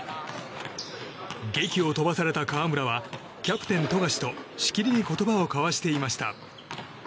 げきを飛ばされた河村はキャプテン富樫としきりに言葉を交わしていました。